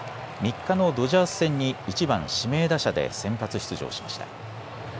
３日のドジャース戦に１番・指名打者で先発出場しました。